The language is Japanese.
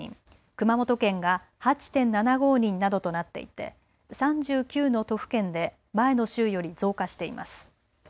熊本県が８．７５人などとなっていて３９の都府県で前の週より増加しています。